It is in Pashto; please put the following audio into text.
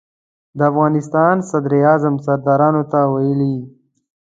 د افغانستان صدراعظم سردارانو ته ویلي.